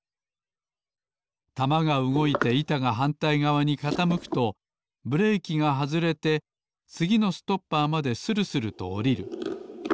玉がうごいていたがはんたいがわにかたむくとブレーキがはずれてつぎのストッパーまでするするとおりる。